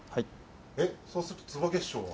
えっそうすると坪月商は？